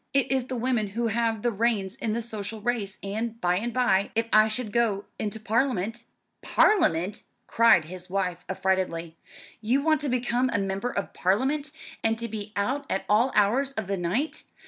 It is the women who have the reins in the social race, and by and by, if I should go into Parliament " "Parliament!" cried his wife affrightedly. "You want to become a Member of Parliament, and to be out at all hours of the night!